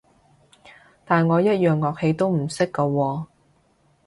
但我一樣樂器都唔識㗎喎